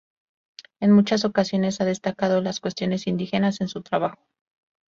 En muchas ocasiones ha destacado las cuestiones indígenas en su trabajo.